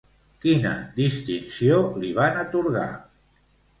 Quina distinció li van atorgar?